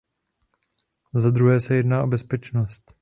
Zadruhé se jedná o bezpečnost.